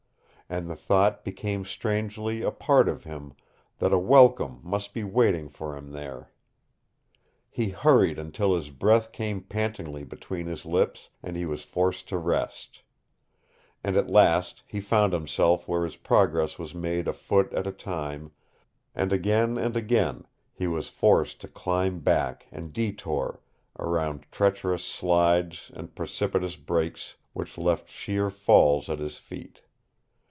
And the thought became strangely a part of him that a welcome must be waiting for him there. He hurried until his breath came pantingly between his lips and he was forced to rest. And at last he found himself where his progress was made a foot at a time, and again and again he was forced to climb back and detour around treacherous slides and precipitous breaks which left sheer falls at his feet.